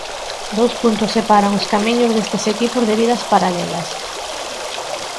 Dous puntos separan os camiños destes equipos de vidas paralelas.